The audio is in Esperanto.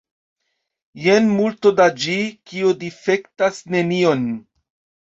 Jen multo da ĝi, kio difektas nenion.